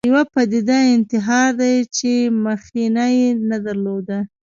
یوه پدیده انتحار دی چې مخینه نه درلوده